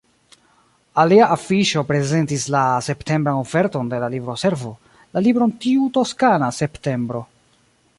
Alia afiŝo prezentis la septembran oferton de la Libroservo, la libron Tiu toskana septembro.